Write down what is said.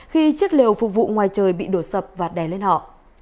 khi chiếc liều phục vụ ngoài trời bị đổ sập và đè lên họ